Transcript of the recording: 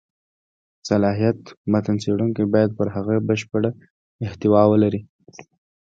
صلاحیت: متن څېړونکی باید پر هغه ژبه بشېړه احتوا ولري.